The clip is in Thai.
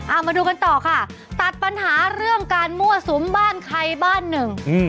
เอามาดูกันต่อค่ะตัดปัญหาเรื่องการมั่วสุมบ้านใครบ้านหนึ่งอืม